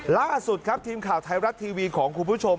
ล่าสุดครับทีมข่าวไทยรัฐทีวีของคุณผู้ชม